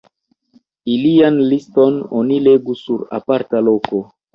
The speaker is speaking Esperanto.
Ilian liston oni legu sur aparta loko.